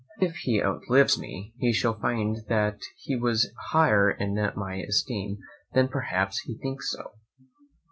If he outlives me, he shall find that he was higher in my esteem than perhaps he thinks he is.